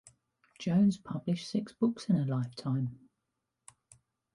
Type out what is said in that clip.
Jones published six books in her lifetime.